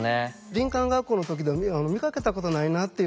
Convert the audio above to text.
林間学校の時見かけたことないなっていう